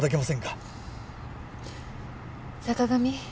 坂上